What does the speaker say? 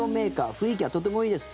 雰囲気はとてもいいです。